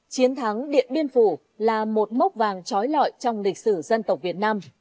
chiến thắng điện biên phủ là một mốc vàng trói lọi trong lịch sử dân tộc việt nam